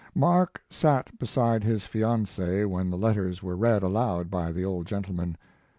Mark sat beside his fiancee when the letters were read aloud by the old gentleman.